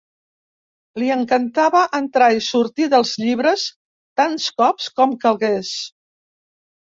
Li encantava entrar i sortir dels llibres tants cops com calgués.